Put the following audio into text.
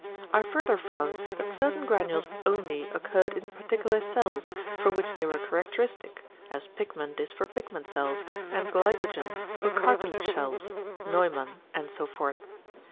I further found that certain granules only occurred in particular cells, for which they were characteristic, as pigment is for pigment cells, and glycogen for cartilage cells (Neumann) and so forth.